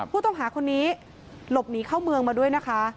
ผู้ต้องหาคนนี้หลบหนีเข้าเมืองมาด้วยนะคะ